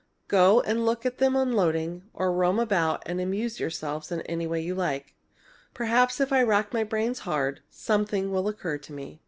Go and look at them unloading, or roam around and amuse yourselves in any way you like. Perhaps, if I rack my brains hard, something will occur to me."